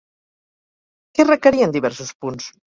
Què requerien diversos punts?